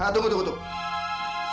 tunggu tunggu tunggu